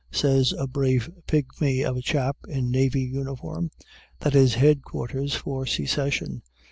says a brave pigmy of a chap in navy uniform. "That is head quarters for Secession.